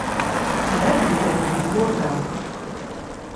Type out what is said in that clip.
Telha tegnewt di tmurt-a.